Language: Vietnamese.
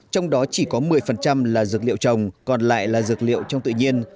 trong đó chỉ có một mươi là dược liệu trồng còn lại là dược liệu trong tự nhiên